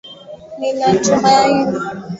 Ninatumaini